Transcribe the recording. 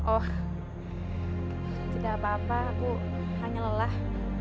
oh tidak apa apa aku hanya lelah